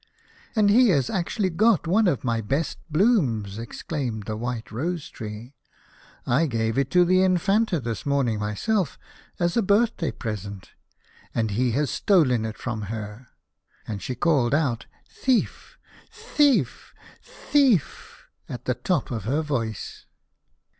" And he has actually got one of my best blooms," exclaimed the White Rose Tree. " I gave it to the Infanta this morning myself, as a birthday present, and he has stolen it from her." And she called out :" Thief, thief, thief! " at the top of her voice.